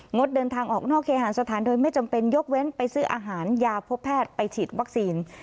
งดเดินทางออกนอกเคหาสถานโดยไม่จำเป็นยกเว้นไปซื้ออาหารยาพบแพทย์ไปฉีดวัคซีน